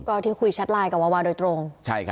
ก็ที่คุยแชทไลน์กับวาวาโดยตรง